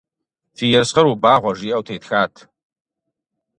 «Фи ерыскъыр убагъуэ», - жиӏэу тетхат.